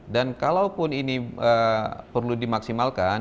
dan kalaupun ini perlu dimaksimalkan